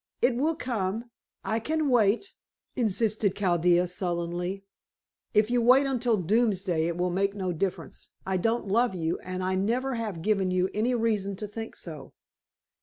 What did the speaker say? "It will come I can wait," insisted Chaldea sullenly. "If you wait until Doomsday it will make no difference. I don't love you, and I have never given you any reason to think so."